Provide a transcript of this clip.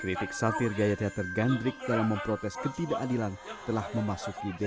kritik satir gaya teater gandrik dalam memprotes ketidakadilan telah memasuki